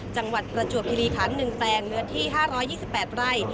จังหวัดประจวบคิรีขันต์๑แปลงเนื้อที่๕๒๘ไร่